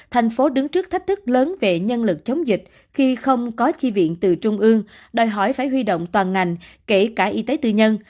thành phố đứng trước thách thức lớn về nhân lực chống dịch khi không có chi viện từ trung ương đòi hỏi phải huy động toàn ngành kể cả y tế tư nhân